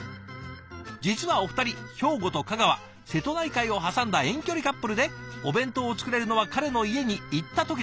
実はお二人兵庫と香川瀬戸内海を挟んだ遠距離カップルでお弁当を作れるのは彼の家に行った時だけ。